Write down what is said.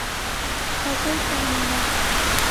Хозяйканыңмы?